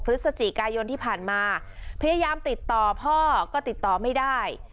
พฤศจิกายนที่ผ่านมาพยายามติดต่อพ่อก็ติดต่อไม่ได้